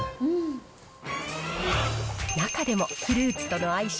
中でも、フルーツとの相性